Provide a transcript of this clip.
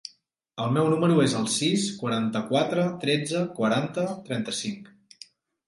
El meu número es el sis, quaranta-quatre, tretze, quaranta, trenta-cinc.